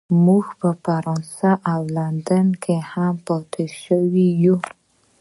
موږ په فرانسه او لندن کې هم پاتې شوي یو